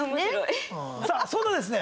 さあそんなですね